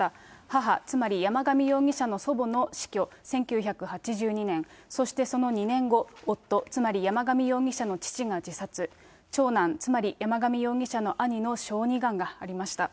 母、つまり山上容疑者の祖母の死去、１９８２年、そしてその２年後、夫、つまり山上容疑者の父が自殺、長男、つまり山上容疑者の兄の小児がんがありました。